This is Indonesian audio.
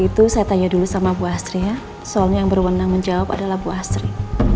itu saya tanya dulu sama bu astria soalnya yang berwenang menjawab adalah bu asri